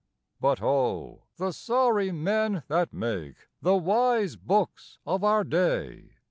But, O, the sorry men that make The wise books of our day!